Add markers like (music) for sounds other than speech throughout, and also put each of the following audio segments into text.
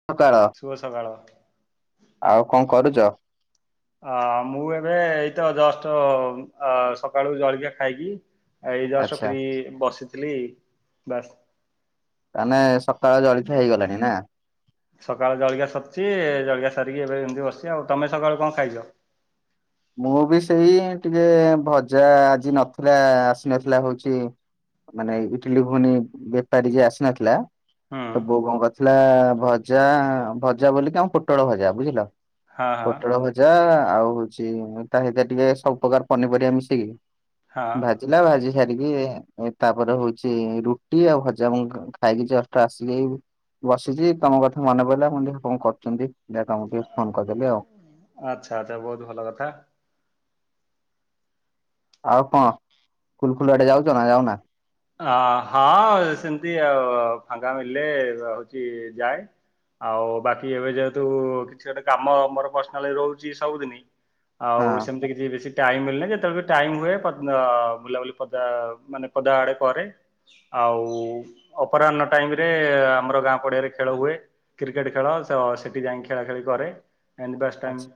(unintelligible) ଶୁଭ ସକାଳ। ଆଉ କଣ କରୁଚ? ଅ, ମୁଁ ଏବେ ଏଇତ ଜଷ୍ଟ ଉଁ, ଅ, ସକାଳୁ ଜଳିଖିଆ ଖାଇକି ଏଇ ଜଷ୍ଟ ଆଚ୍ଛା ଫ୍ରି ବସିଥିଲି ବାସ୍। ତାନେ ସକାଳ ଜଳିଖିଆ ହେଇଗଲାଣି ନା? ସକାଳୁ ଜଳିଖିଆ ସରିଛି। ଏ ଜଳଖିଆ ସାରିକି ଏବେ ଏମତି ବସିଛି ଆଉ। ତୋମେ ସକାଳୁ କଣ ଖାଇଛ? ମୁଁ ବି ସେଇ ଟିକେ ଭଜା ଆଜି ନଥିଲା ଆସିନଥିଲା ହଉଚି। ମାନେ ଇଟିଲି ଭୂବିନି ବେପାରୀ ଯିଏ ଆସିନଥିଲା। ହୁଁ ତ ବୋଉ କଣ କରିଥିଲା ଭଜା ଭଜା ବୋଲିକି ଆମ ପୋଟଳ ଭଜା ବୁଝିଲ। ହଁ ହଁ ପୋଟଳ ଭଜା ଆଉ ହଉଛି ତା ସହିତ ଟିକେ ସବୁପ୍ରକାର ପନିପରିବା ମିଶେଇି କି ହଁ ଭାଜିଲା ଭାଜି ସାରିକି ଏ ତାପରେ ହଉଛି ରୁଟି ଆଉ ଭଜା ମୁଁ ଖାଇକି ଜଷ୍ଟ୍ ଆସିଲି ଏବେ। ବସିଚି ତମ କଥା ମନେ ପଇଲା। ମୁଁ କହିଲି ଦେଖିବା କଣ କରୁଚନ୍ତି ଦେଖିଆ ତମକୁ ଟିକେ ଫୋନ କରିଦେଲି ଆଉ। ଆଚ୍ଛା ଆଚ୍ଛା ବହୁତ ଭଲ କଥା। ଆଉ କଣ ଖୁଲୁ ଖୁଲୁ ଆଡ଼େ ଯାଉଚ ନା ଯାଉନା। ଆଁ ହଁ ସେମିତି ଆଉ ଫାଙ୍କା ହେଲେ ହଉଚି ଯାଏ। ଆଉ ବାକି ଏବେ ଯେହେତୁ କିଛି ଗୋଟେ କାମ ମୋର ପର୍ସନାଲି ରହୁଚି ସବୁଦିନ। ଆଉ ହଁ ସେମିତି କି କି ବେଶୀ ଟାଇମ୍ ମିଳିନେ ଯେତେବେଳେ ଟାଇମ୍ ହୁଏ ପଦ୍ ବୁଲାବୁଲି ପଦା ମାନେ ପଦା ଆଡ଼େ ପରେ ଆଉ ଅପରାହ୍ନ ଟାଇମରେ ଆମର ଗାଁ ପଡ଼ିଆରେ ଖେଳ ହୁଏ। କ୍ରିକେଟ୍ ଖେଳ ଅଁ ସେଠି ଯାଇକି ଖେଳା ଖେଳି କରେ। ଏମିତି ପାସ୍ ଟାଇମ ଆଚ୍ଛା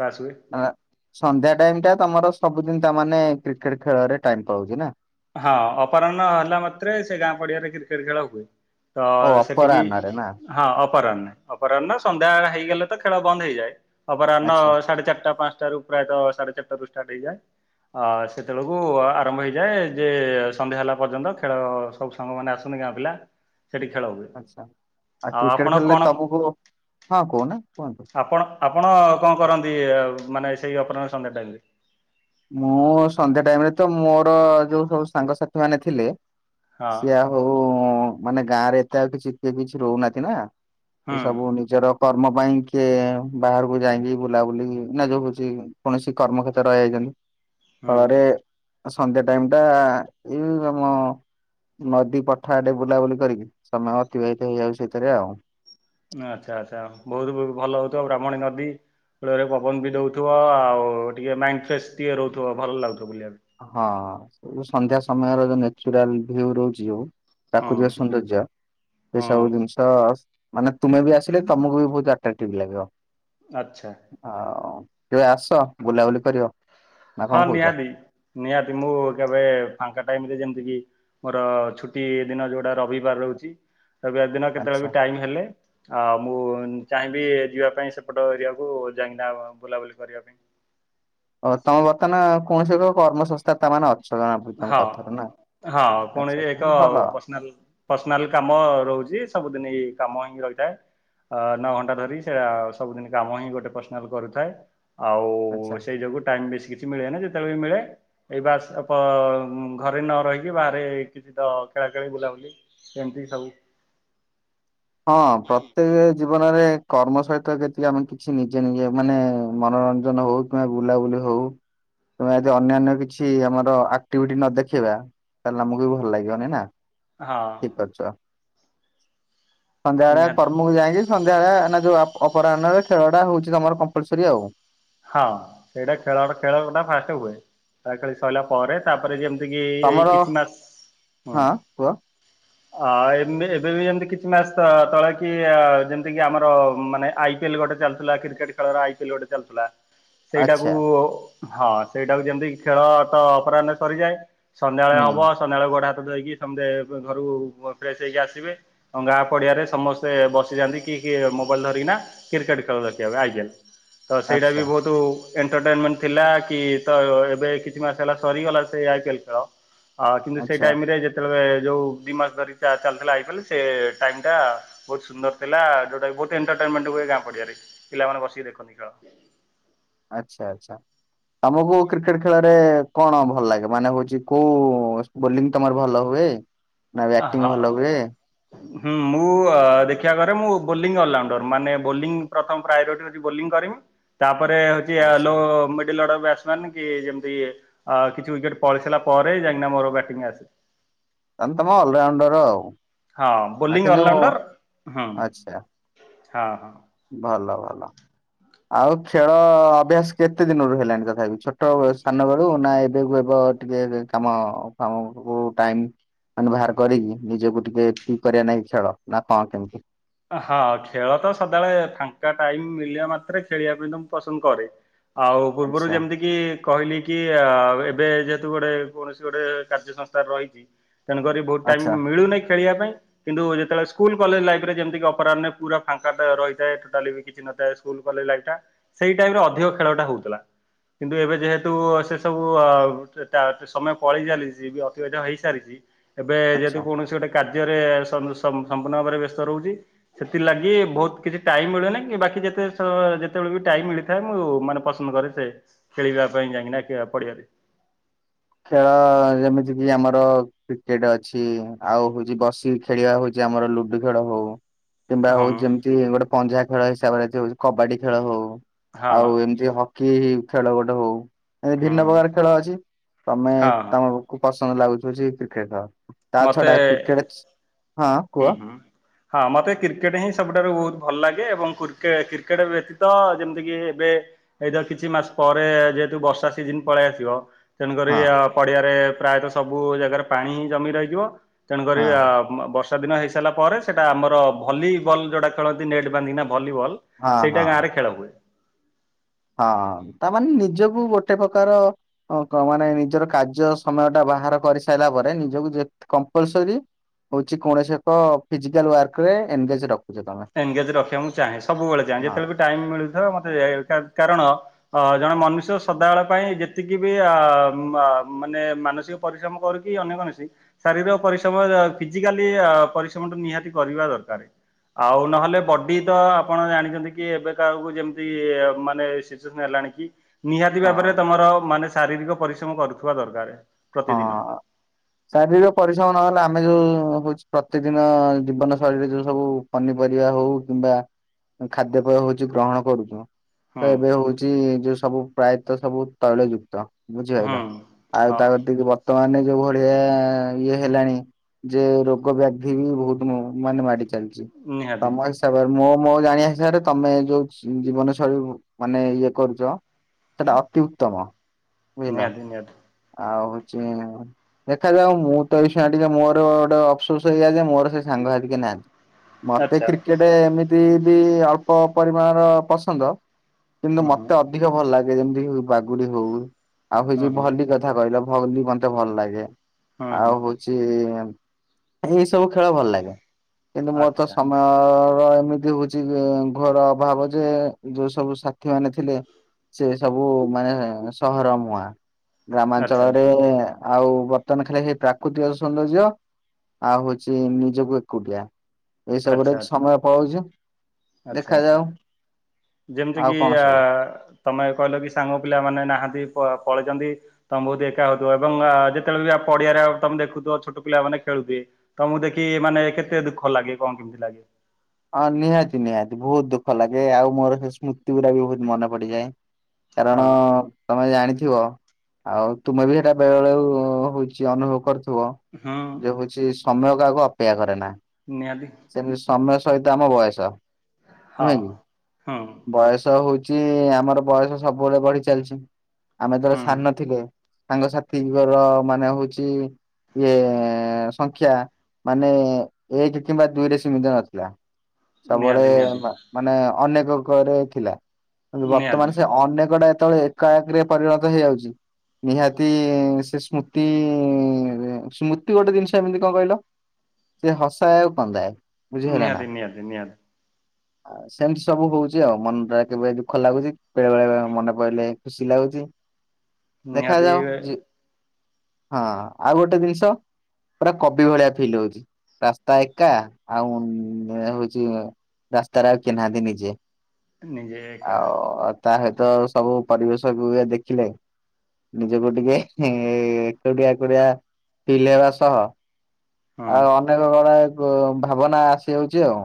ପାସ୍ ହୁଏ। ଆଁ। ସନ୍ଧ୍ୟା ଟାଇମଟା ତମର ସବୁଦିନ ତା ମାନେ କ୍ରିକେଟ ଖେଳରେ ଟାଇମ୍ ପଳାଉଚି ନାଁ। ହଁ ଅପରାହ୍ନ ହେଲା ମାତ୍ରେ ସେ ଗାଁ ପଡ଼ିଆରେ କ୍ରିକେଟ ଖେଳ ହୁଏ। ତ ହଉ ସେଠିକି ଅପରାହ୍ନରେ ନା ହଁ ଅପରାହ୍ନ ଅପରାହ୍ନ ସନ୍ଧ୍ୟା ବେଳ ହେଇଗଲେ ତ ଖେଳ ବନ୍ଦ ହେଇଯାଏ। ଅପରାହ୍ନ ଆଚ୍ଛା ସାଢେ଼ ଚାରିଟା ପାଞ୍ଚଟାରୁ ପ୍ରାୟତଃ ସାଢ଼େ ଚାରିଟାରୁ ଷ୍ଟାର୍ଟ ହେଇଯାଏ। ଅଁ ସେତେବେଳକୁ ଆରମ୍ଭ ହେଇଯାଏ। ଯେ ସନ୍ଧ୍ୟା ହେଲା ପର୍ଯ୍ୟନ୍ତ ଖେଳ ସବୁ ସାଙ୍ଗ ମାନେ ଆସନ୍ତି ଗାଁ ପିଲା। ସେଠି ଖେଳ ହୁଏ। ଆଚ୍ଛା ଆଉ କ୍ରିକେଟ ଆପଣ ଖେଳିଲେ କଣ ତମକୁ ହଁ କହୁନା କୁହନ୍ତୁ। ଆପଣ ଆପଣ କଣ କରନ୍ତି? ମାନେ ସେଇ ଅପରାହ୍ନ ସନ୍ଧ୍ୟା ଟାଇମରେ। ମୁଁ ସନ୍ଧ୍ୟା ଟାଇମରେ ତ ମୋର ଯୋଉ ସବୁ ସାଙ୍ଗସାଥି ମାନେ ଥିଲେ। ହଁ ସିଏ ଆ ଆଉ ମାନେ ଗାଁରେ ଏତେ ଆଉ କିଛି କିଏ କିଛି ରହୁନାହାନ୍ତି ନାଁ। ତ ହୁଁ ସବୁ ନି ନିଜର କର୍ମ ପାଇଁ କିଏ ବାହାରକୁ ଯାଇକି ବୁଲାବୁଲି ନା ଯୋଉ ହଉଛି କୌଣସି କର୍ମକ୍ଷେତ୍ରରେ ରହିଯାଇଚନ୍ତି। ହୁଁ। ଫଳରେ ସନ୍ଧ୍ୟା ଟାଇମଟା ଏଇ ଆମ ନଦୀ ପଠା ଆଡ଼େ ବୁଲାବୁଲି କରିକି ସମୟ ଅତିବାହିତ ହେଇଯାଉଚି ସେଇଥିରେ ଆଉ। ନାଁ ଆଚ୍ଛା ଆଚ୍ଛା ବହୁତ ଭଲ ହଉଥିବ ବ୍ରାହ୍ମଣୀ ନଦୀ। କୂଳରେ ପବନ ବି ଦଉଥିବ ଆଉ ଟିକେ ମାଇଣ୍ଡ ଫ୍ରେଶ୍ ଟିକେ ରହୁଥିବ ଭଲ ଲାଗୁଥିବ ବୁଲିବା ପାଇଁ। ହଁ ସେ ଯୋଉ ସନ୍ଧ୍ୟା ସମୟର ଯୋଉ ନେଚୁରାଲ ଭ୍ୟୁ ରହୁଚି ଯୋଉ ହଁ ପ୍ରାକୃତିକ ସୌନ୍ଦର୍ଯ୍ୟ ହଁ ଏସବୁ ଜିନିଷ ମାନେ ତୁମେ ବି ଆସିଲେ ତମକୁ ବି ବହୁତ ଆଟ୍ରାକ୍ଟିଭ ଲାଗିବ। ଆଚ୍ଛା। ଆଉ କେବେ ଆସ ବୁଲାବୁଲି କରିବ? ନା ହଁ କଣ କହୁଛ? ନିହାତି ନିହାତି ମୁଁ କେବେ ଫାଙ୍କା ଟାଇମରେ ଯେମିତି କିି? ମୋର ଛୁଟି ଦିନ ଯୋଉଟା ରବିବାର ରହୁଚି। ରବିବାର ଦିନ କେତେବେଳେ ଆଚ୍ଛା ବି ଟାଇମ ହେଲେ ଆଉ ମୁଁ ଚାହିଁବି ଯିବା ପାଇଁ ସେପଟ ଏରିଆକୁ ଯାଇକିନା ବୁଲାବୁଲି କରିବା ପାଇଁ। ଓ ତମେ ବର୍ତ୍ତମାନ କୌଣସି ଏକ କର୍ମ ସଂସ୍ଥା ତା ମାନେ ଅ ହଁ ହଁ ଆଚ୍ଛା କୌଣସି ଆଚ୍ଛା ଏକ ଭଲ ପର୍ସନାଲ ପର୍ସନାଲ କାମ ରହୁଚି। ସବୁଦିନି ଏଇ କାମ ହିଁ ରହିଥାଏ। ଅଁ ନଅ ଘଣ୍ଟା ଧରି ସେରା ସବୁଦିନି କାମ ହିଁ ଗୋଟେ ପର୍ସନାଲ କରୁଥାଏ। ଆଉ ଆଚ୍ଛା। ସେଇ ଯୋଗୁ ଟାଇମ ବେଶି କିଛି ମିଳେ ନା ଯେତେବେଳେ ବି ମିଳେ ଏଇ ବାସ। ଘରେ ନ ରହିକି ବାହାରେ କିଛି ତ ଖେଳାଖେଳି ବୁଲାବୁଲି ଏମିତି ସବୁ। ହଁ ପ୍ରତ୍ୟେକ ଜୀବନରେ କର୍ମ ସହିତ ଯେତିି ଆମେ କିଛି ନିଜେ ନିଜେ ମାନେ ମନୋରଞ୍ଜନ ହଉ। ବୁଲାବୁଲି ହଉ। ତୁମେ ଯଦି ଅନ୍ୟାନ୍ୟ କିଛି ଆମର ଆକ୍ଟିଭିଟି ନ ଦେଖେଇବା ତାହେଲେ ଆମକୁ ବି ଭଲ ଲାଗିବନି ନା। ହଁ। ଆଛା ସନ୍ଧ୍ୟାବେଳିଆ ନିହାତି କର୍ମକୁ ଯାଇକି। ସନ୍ଧ୍ୟାବେଳେ ନା ଯୋଉ ଅପରାହ୍ନରେ ଖେଳ ଟା ହଉଛି ତମର କମପ୍ଲସରି ଆଉ। ହଁ ସେଇଟା ଖେଳ ଖେଳଟା ଫାଷ୍ଟ ହୁଏ ଖେଳି ସରିଲା ପରେ। ତାପରେ ଯେମିତି କି ଏଇ ତମର କିଛି ମାସ ହୁଁ। ହଁ (unintelligible) ଏବେ ବି ଯେମିତି କିଛି ମାସ ତଳେ କି ଯେମିତି କିି ଆମର ମାନେ ଆଇ। ଆଇପଏ ଲ ଗୋଟେ ଚାଲିଥିଲା କ୍ରିକେଟ ଖେଳ ଆଇିଏଲ ଗୋଟେ ଚାଲିଥିଲା। ସେଇଟାକୁ ଆଚ୍ଛା ହଁ ସେଇଟାକୁ ଯେମିତି ଖେଳ ତ ଅପରାହ୍ନ ସରିଯାଏ। ସନ୍ଧ୍ୟାବେଳେ ହୁଁ ହବ ସନ୍ଧ୍ୟାବେଳେ ଗୋଟେ ହାତ ଧୋଇକି ଘରୁ ଫ୍ରେଶ ହେଇକି ଆସିବେ। ଗାଁ ପଡିଆରେ ସମସ୍ତେ ବସିଯାଆନ୍ତି କି କି ମୋବାଇଲ ଧରିକିନା। କ୍ରିକେଟ ଖେଳ ଆଇ ପିଏଲ ତ ସେଇଟା ଆଚ୍ଛା ବି ବହୁତ ଏଣ୍ଟରଟେନମେଣ୍ଟ ଥିଲା କି ତ ଏବେ କିଛି ମାସ ହେଲା ସରିଗଲା ସେ ଆଇ ପି ଏଲ ଖେଳ। ହଁ କିନ୍ତୁ ସେଇ ଆଚ୍ଛା ଟାଇମରେ ଯେତେବେଳେ ଯୋଉ ଦୁଇ ମାସ ଧରି ଚାଲିଥିଲା ଆଇପିଏଲ ସେ ଟାଇମ୍ ଟା ବହୁତ ସୁନ୍ଦର ଥିଲା ଯୋଉଟା ବହୁତ ଏଣ୍ଟରଟେନମେଣ୍ଟ ହୁଏ ଗାଁ ପଡିଆରେ ପିଲାମାନେ ବସିକି ଦେଖନ୍ତି ଖେଳ। ଆଚ୍ଛା ଆଛା। ତମକୁ କ୍ରିକେଟ ଖେଳରେ କଣ ଭଲ ଲାଗେ ମାନେ ହଉଚ଼ି ବୋଲିଂ ତୁମର ଭଲ ହୁଏ? ହଁ, (unintelligible) ହଁ। ହୁଁ ମୁଁ ଦେଖିବା କରେ ମୁଁ ବୋଲିଂ ଅଲରାଉଣ୍ଡର ମାନେ ବୋଲିଂ ପ୍ରଥମ ପ୍ରାୟୋରିଟି ତାପରେ ହଉଛି ଆଚ୍ଛା ମିଡ଼ଲଅର୍ଡ଼ର ବ୍ୟାଟ୍ସମ୍ୟାନ। କି ଯେମିତି କିଛି ୱିକେଟ ପଳେଇଗଲା ପରେ ଯାହିଁକିନା ମୋର ବ୍ୟାଟିଂଆସେ। ତାହାଲେ ତୁମେ ଅଲରାଉଣ୍ଡର। ହଁ ଆ ବୋଲିଂ କିନ୍ତୁ ଅଲରାଉଣ୍ଡର ହଁ ଆଚ୍ଛା ହଁ ହଁ। ଭଲ ଭଲ। ଆଉ ଖେଳ ଅଭ୍ୟାସ କେତେ ଦିନରୁ ହେଲାଣି ତଥାପି ଛୋଟ ସ୍ଥାନ ବେଳୁ ନା ଏବେ ହେବ ଟିକେ କାମ କାମ ଟାଇମ। ବାହାର କରିକି ନିଜକୁ ଟିକେ ଫି କରିବା ନାାଇଁ ଖେଳ ନା କଣ କେମିତି? ହଁ ଖେଳ ତ ସଦାବେଳେ ଫାଙ୍କା ଟାଇମ ମିଳିବା ମାତ୍ରେ ଖେଳିବା ପାଇଁ ତ ମୁଁ ପସନ୍ଦ କରେ। ଆଉ ପୂର୍ବରୁ ଆଚ୍ଛା ଯେମିତି କି କହିଲି କି ଏବେ ଯେହେତୁ ଗୋଟେ କୌଣସି ଗୋଟେ କାର୍ଯ୍ୟ ସଂସ୍ଥା ରହିଛି ତେଣୁକରି। ବହୁତ ଆଚ୍ଛା ଟାଇମ ମିଳୁନାହିଖେଳିବା ପାଇଁ କିନ୍ତୁ ଯେତେବେଳେ ସ୍କୁଲ କଲେଜ ଲାଇ ଫ ରେ ଯେମିତି ଅପରାହ୍ନେ ପୁରା ଫାଙ୍କା ରହିଥାଏ ଟଟାଲି ବି କିଛି ନଥାଏ ସ୍କୁଲ କଲେଜ ଲାଇଫ ଟା। ସେଇ ଟାଇମ ରେ ଅଧିକ ଖେଳଟା ହଉଥିଲା। କିନ୍ତୁ ଏବେ ଯେହେତୁ ସେ ସବୁ ସମୟ ପଳେଇ ଚାଲିଚି ବି ଅତିବାହିଧ ହେଇସାରିଛି। ଏବେ ଆଚ୍ଛା। ଯେହେତୁ କୌଣସି ଗୋଟେ କାର୍ଯ୍ୟରେ ସମ୍ପୂର୍ଣ୍ଣ ଭାବରେ ବ୍ୟସ୍ତ ରହୁଛି। ସେଥିଲାଗି ବହୁତ କିଛି ଟାଇମ ମିଳୁନି କି ବାକି ଯେତେ ଯେତେବେଳେ ବି ଟାଇମ ମିଳିଥାଏ ମୁଁ ମାନେ ପସନ୍ଦ କରେ ସେ ଖେଳିବା ପାଇଁ ଯାଇକି ପଡ଼ିଆରେ। ଖେଳ ଯେମିତି କିି ଆମର କ୍ରିକେଟ ଅଛି ଆଉ ହଉଛି ବସିି ଖେଳିବା ହଉଛି ଆମର ଲୁଡୁ ଖେଳ ହଉ। କିମ୍ବା ହଁ ହଉ ଯେମିତି ଗୋଟେ ପଞ୍ଜା ଖେଳ ହିସାବରେ ହଉ କବାଡି ଖେଳ ହଉ ହଁ ଆଉ ଏମିତି ହକି ଖେଳ ଗୋଟେ ହଉ ଏ ଭିନ୍ନ ହୁଁ ପ୍ରକାର ଖେଳ ଅଛି। ତମେ ହଁ ହଁ ତମକୁ ପସନ୍ଦ ଲାଗୁଚି ଯେ କ୍ରିକେଟ୍ ଖେଳ। ତା ଛଡା ମତେ କ୍ରିକେଟ ହଁ ହୁଁ କୁଅ। ହୁଁ। ହଁ ମତେ କ୍ରିକେଟ୍ ହିଁ ସବୁଠାରୁ ବହୁତ୍ ଭଲ ଲାଗେ ଏବଂ (inaudible) କ୍ରିକେଟ୍ ବ୍ୟତୀତ ଯେମିତିକି ଏବେ ଏଇ ତ କିଛି ମାସ ପରେ ଯେହେତୁ ବର୍ଷା ସିଜିନ୍ ପଳେଇ ଆସିବ। ତେଣୁକରି ହଁ ପଡିଆରେ ପ୍ରାୟତଃ ସବୁ ଜାଗାରେ ପାଣି ହିଁ ଜମି ରହିଯିବ। ତେଣୁକରି ହଁ ଅ ବର୍ଷ୍ ବର୍ଷାଦିନ ହେଇସାରିଲା ପରେ ସେଇଟା ଆମର ଭଲିବଲ୍ ଯୋଉଟା ଖେଳନ୍ତି ନେଟ୍ ବାନ୍ଧି କି ଭଲିବଲ୍। ହଁ ସେଇଟା ହଁ ଗାଁ ରେ ଖେଳ ହୁଏ। ହଁ ତା ମାନେ ନିଜକୁ ଗୋଟେ ପ୍ରକାର ଓହୋ ମାନେ ନିଜର କାର୍ଯ୍ୟ ସମୟ ଟା ବାହାର କରିସାରିଲା ପରେ ନିଜକୁ ଯେ କମ୍ପଲ୍ ସରି ହଉଚି କୌଣସି ଏକ ଫିଜିକାଲ୍ ୱାର୍କରେ ଏନଗେଜ୍ ରଖୁ। ଏନଗେଜ୍ ରଖିଆକୁ ଚାହେଁ ସବୁବେଳେ ଚାହେଁ ହଁ। ଯେତେବେଳେ ବି ଟାଇମ୍ ମିଳୁଥିବ ମତେ (inaudible) କାରଣ ଅ ଜଣେ ମନୁଷ୍ୟ ସଦାବେଳେ ପାଇଁ ଯେତିକି ବି ଆ ମା ମାନେ ମାନସିକ ପରିଶ୍ରମ କରୁ କି ଅନ୍ୟ କୌଣସି ଶାରୀର ପରିଶ୍ରମ ଫିଜିକାଲି ପରିଶ୍ରମ ଟା ନିହାତି କରିବା ଦରକାର୍। ଆଉ ନହେଲେ ବଡି ତ ଆପଣ ଜାଣିଛନ୍ତି କି ଏବେ କାହାକୁ ଯେମିତି ମାନେ ସିଚୁସନ୍ ହେଲାଣି କି ନିହାତି ଭାବରେ ହଁ ତମର ମାନେ ଶାରୀରିକ ପରିଶ୍ରମ କରୁଥିବା ଦରକାର୍। ହଁ ଶାରୀରିକ ପରିଶ୍ରମ ନହେଲେ ଆମେ ଯୋଉ ହଉଚି ପ୍ରତି ଦିନ ଜୀବନ ଶୈଳୀରେ ଯୋଉ ସବୁ ପନିପରିବା ହଉ କିମ୍ବା ଖାଦ୍ୟପେୟ ହଉଚି ଗ୍ରହଣ କରୁଚୁ। ହୁଁ ତ ଏବେ ହଉଚି ଯୋଉ ସବୁ ପ୍ରାୟତଃ ସବୁ ତୈଳି ଯୁକ୍ତ ହୁଁ ବୁଝିପାଇଲ? ହଁ ତା ଗତିିକି ବର୍ତ୍ତମାନେ ଯୋଉ ଭଳିଆ ଇଏ ହେଲାଣି ଯେ ରୋଗ ବ୍ୟାଧି ବି ବହୁତ ମୁ ମାନେ ମାଡି ଚାଲିଚି ନିହାତି ସମ ଏସ୍ ତା ପରେ ମୋ ମୋ ଜାଣିଆ ହିସାବରେ ତମେ ଯୋଉ ଜୀବନଶୈଳୀ ମାନେ ଇଏ କରୁଚ। ସେଟା ଅତି ଉତ୍ତମ ବୁଝିଲ ନିହାତି ନିହାତି ଆଉ ହଉଚି ଦେଖାଯାଉ ମୁଁ ତ ଏଇ ଶୁଆ ଟିକେ ମୋର ଗୋଟେ ଅଫ୍ ସୋସ୍ ହେଇଯାଉଚି ଯେ ମୋର କେଇ ସାଙ୍ଗ ସାଥି କେହି ନାହାନ୍ତି। ମତେ ଆଚ୍ଛା କ୍ରିକେଟେ ଏମିତି ବି ଅଳ୍ପ ପରିମାଣର ପସନ୍ଦ। କିନ୍ତୁ ହୁଁ ହୁଁ। ମତେ ଅଧିକ ଭଲ ଲାଗେ ଯେମିତି ହଉ ବାଗୁଡି ହଉ ଆଉ କିଛି ହଁ ହଁ ଭଲିଗଡ୍ ଠିକ୍ କଥା କଇଲ ଭଲିବଲ୍ ମତେ ଭଲ ଲାଗେ ହଁ ଆଉ ହଁ ହଉ ଚି ଏଇ ସବୁ ଖେଳ ଭଲ ଲାଗେ କିନ୍ତୁ ମୋର ତ ଆଚ୍ଛା ସମୟ ଆ ଏମିତି ହଉଚି ଘୋର ଅଭାବ ଯେ ଯୋଉ ସବୁ ସାଥି ମାନେ ଥିଲେ। ସେ ସବୁ ମାନେ ସହର ମୁହାଁ ଆଚ୍ଛା ଗ୍ରାମାଞ୍ଚଳରେ ଆଚ୍ଛା ଆଉ ବର୍ତ୍ତମାନ ଖାଲି ସେଇ ପ୍ରାକୃତିକ ସୌନ୍ଦର୍ଯ୍ୟ ଆଉ ହଉଚି ନିଜକୁ ଏକୁଟିଆ। ଏ ସବୁରେ ସମୟ ପଳଉଚି। ଆଛା ଆଚ୍ଛା। ଆଉ ଯେମିତିକି କଣ ଆ ସବୁ। ତମେ ଏବେ କଇଲ କି ସାଙ୍ଗ ପିଲାମାନେ ନାହାନ୍ତି ପ ପଳେଇଚନ୍ତି। ତମେ (inaudible) ଏକା ହଉଥିବ ତ ଆ ଯେତେବେଳେ ବି ପଡିଆରେ ତମେ ଦେଖୁଥିବ ଛୋଟ ପିଲା ମାନେ ଖେଳୁଥିବେ। ତମକୁ ଦେଖି ମାନେ କେତେ ଦୁଃଖ ଲାଗେ କଣ କେମିତି ଲାଗେ? ହଁ ନିହାତି ନିହାତି ବହୁତ୍ ଦୁଃଖ ଲାଗେ ଆଉ ମୋର ସେ ସ୍ମୃତି ଗୁଡା ବି ବହୁତ୍ ମନେ ପଡିଯାଏ। କାରଣ ହଁ କାରଣ ଜାଣିଥିବ ଆଉ ତୁମେ ବି ସେଇଟା ବେଳେ ବେଳେ ହଉଚି ଅନୁଭବ କରୁଥିବ। ହୁଁ ଯେ ହଉଚି ସମୟ କାହାକୁ ଅପେକ୍ଷା କରେ ନା। ନିହାତି। ସେମିତି ସମୟ ସହିତ ଆମ ବୟସ। ହଁ ନୁହେଁ କି? ହୁଁ। ବୟସ ହୋଉଚି ଆମର ବୟସ ସବୁବେଳେ ବଢି ଚାଲିଚି ଆମେ ହୁଁ ଯେତେବେଳେ ସାନ ଥିଲେ ସାଙ୍ଗ ସାଥିଙ୍କର ମାନେ ହଉଚି ଇଏ ସଂଖ୍ୟା ମାନେ ଏକ କିମ୍ବା ଦୁଇରେ ସୀମିତ ନଥିଲା। ସବୁବେଳେ ନିହାତି ନିହାତି ମା ମାନେ ଅନେକ ଅଙ୍କ ରେ ଥିଲା। ନିହାତି ବର୍ତ୍ତମାନ ସେ ଅନେକଟା ଯେତେବେଳେ ଏକାକରେ ପରିଣତ ହେଇଯାଉଚି। ନିହାତି ସେ ସ୍ମୃତି ସ୍ମୃତି ଗୋଟେ ଜିନିଷ ଏମିତି କଣ କହିଲ? ସେ ହସାଏ ଆଉ କନ୍ଦାଏ ବୁଝିହେଲାନା ନିହାତି ନିହାତି ନିହାତି ଆ ସେମିତି ସବୁ ହଉଚି। ଯେ ମନ ଟା କେବେ ଦୁଃଖ ଲାଗୁଚି ବେଳେ ବେଳେ ବେଳେ ମନେ ପଇଲେ ଖୁସି ଲାଗୁଚି। ନିହାତି ଦେଖାଯାଉ ଯି ହଁ ଆଉ ଗୋଟେ ଜିନିଷ ପୁରା କବି ଭଳିଆ ଫିଲ୍ ହଉଚି। ରାସ୍ତା ଏକା ଆଉ ଆଉ ହଉଚି ରାସ୍ତାରେ ଆଉ କେହି ନାହାନ୍ତି ନିଜେ। ନିଜେ ଏକା ଆଉ ତା ସହିତ ସବୁ ପରିବେଶକୁ ଦେଖିଲେ ନିଜକୁ ଟିକେ ଏଁ ଏକୁଟିଆ ଏକୁଟିଆ ଫିଲ୍ ହେବା ସହ ହଁ ଆଉ ଅନେକ ଗୁଡା ଭାବନା ଆସି ଯାଉଚି ଆଉ।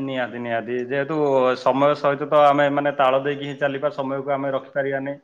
ନିହାତି ନିହାତି ଯେହେତୁ ସମୟ ସହିତ ତ ଆମେ ମାନେ ତାଳ ଦେଇକି ଚାଲିବା ସମୟକୁ ଆମେ ରଖିପାରିବାନି।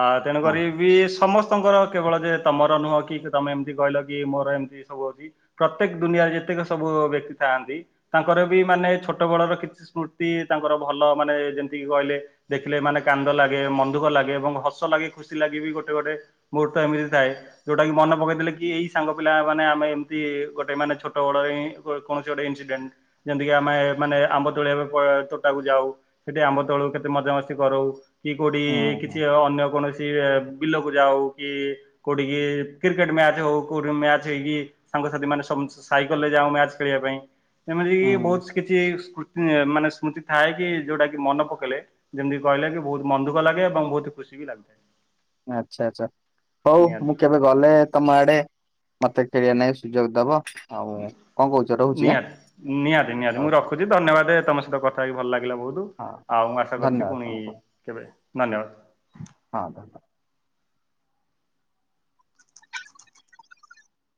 ଆ ହଁ ତେଣୁକରି ବି ସମସ୍ତଙ୍କର କେବଳ ଯେ ତମର ନୁହଁ କି ତମେ ଏମିତି କହିଲ କି ମୋର ଏମିତି ସବୁ ହଉଚି। ପ୍ରତ୍ୟେକ ଦୁନିଆରେ ଯେତେକ ସବୁ ବ୍ୟକ୍ତି ଥାଆନ୍ତି ତାଙ୍କର ବି ମାନେ ଛୋଟ ବେଳର କିଛି ସ୍ମୃତି ତାଙ୍କର ଭଲ ମାନେ ଯେମିତିକି କହିଲେ ଦେଖିଲେ ମାନେ କାନ୍ଦ ଲାଗେ ମନଦୁଃଖ ଲାଗେ ଏବଂ ହସ ଲାଗେ ଖୁସି ଲାଗି ବି ଗୋଟେ ଗୋଟେ। ମୋ ଟାଇମ୍ ରେ ଥାଏ। ଯୋଉଟା କି ମନ ପକେଇଦେଲେ କି ଏଇ ସାଙ୍ଗ ପିଲା ମାନେ ଆମେ ଏମିତି ଗୋଟେ ମାନେ ଛୋଟ ବଡ ଏଁ ଗୋ କୌଣସି ଗୋଟେ ଇନସିଡେଣ୍ଟ୍ ଯେମିତିକି ଆମେ ମାନେ ଆମ୍ବ ତୋଳି ବାକୁ କୁ ତୋଟାକୁ ଯାଉ ସେଠି ଆମ୍ବ ତୋଳୁ କେତେ ମଜାମସ୍ତି କରୁ। କିଏ କୋଉଠି ହୁଁ ହୁଁ କିଛି ଅନ୍ୟ କୌଣସି ବିଲକୁ ଯାଉ କି କୋଉଠିକି କ୍ରିକେଟ ମ୍ୟାଚ ହଉ କୋଉଠୁ ମ୍ୟାଚ ହେଇକି ସାଙ୍ଗସାଥି ମାନେ ସମୁ ସାଇକେଲ ରେ ଯାଉ ମ୍ୟାଚ ଖେଳିବା ପାଇଁ ଏମିତି କି ବହୁତ୍ ହୁଁ କିଛି କି ସ୍ମୁତି ମାନେ ସ୍ମୃତି ଥାଏ କି ଯୋଉଟା କି ମନ ପକେଇଲେ। ଯେମିତି କହିଲେ କି ବହୁତ୍ ମନଦୁଃଖ ଲାଗେ ଏବଂ ବହୁତ୍ ଖୁସି ବି ଲାଗିଥାଏ। ଆଚ୍ଛା ଆଚ୍ଛା ହଉ ନିହାତି ମୁଁ କେବେ ଗଲେ ତମ ଆଡେ ମତେ ଖେଳିବା ନାଗି ସୁଯୋଗ ଦବ? ଆଉ କଣ କହୁଛ ରହୁଛି ନିଆତି ନିଆତି ନିଆତି ଆଁ ମୁଁ ଓକେ ରଖୁ ଯି ଧନ୍ୟବାଦ୍ ତମ ସହିତ କଥା ହେଇକି ଭଲ ଲାଗିଲା ବହୁତ୍ ହଁ ଆଉ ମୁଁ ଆଶା କରୁଚି ଧନ୍ୟବାଦ ପୁଣି ତମକୁ କେବେ ଧନ୍ୟବାଦ। ହଁ (unintelligible)